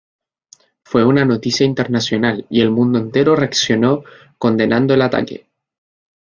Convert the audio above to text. Fue una noticia internacional y el mundo entero reaccionó condenando el ataque.